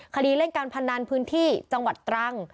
คดีเล่นการพนันพื้นที่จังหวัดตรัง